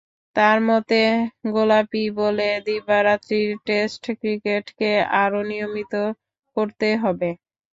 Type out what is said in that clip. তাঁর মতে, গোলাপি বলে দিবারাত্রির টেস্ট ক্রিকেটকে আরও নিয়মিত করতে হবে।